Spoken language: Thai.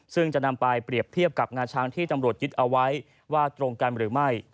ซึ่งจะนำไปเปรียบเทียบกับงาช้างที่ตำรวจยึดเอาไว้ว่าตรงกันหรือไม่